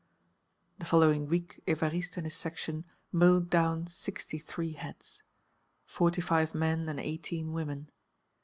The following week Évariste and his section mowed down sixty three heads forty five men and eighteen women.